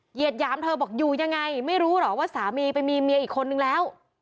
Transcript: หยามเธอบอกอยู่ยังไงไม่รู้เหรอว่าสามีไปมีเมียอีกคนนึงแล้ว